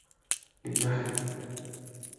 Linaje Navarro.